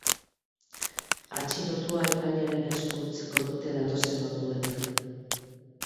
Atxilotua epailearen esku utziko dute datozen orduetan.